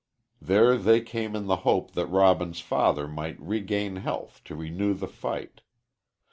There they came in the hope that Robin's father might regain health to renew the fight.